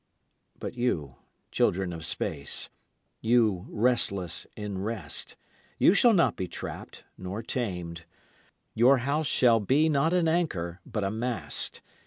But you, children of space, you restless in rest, you shall not be trapped nor tamed. Your house shall be not an anchor but a mast.